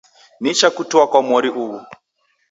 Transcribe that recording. Nicha kutua kwa mori ughu